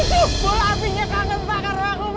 aduh bola apinya kangen pak